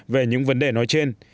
về những vấn đề nói trên